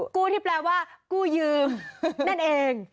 กู้ที่แปลว่ากู้ยืมนั่นเอง